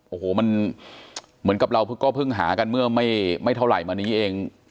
โอ้โหมันเหมือนกับเราก็เพิ่งหากันเมื่อไม่เท่าไหร่มานี้เอง